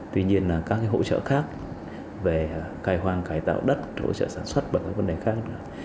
tuy nhiên các hỗ trợ khác về cài hoang cài tạo đất hỗ trợ sản xuất và các vấn đề khác